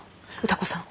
「歌子さん